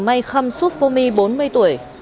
may khâm xuất phô my bốn mươi tuổi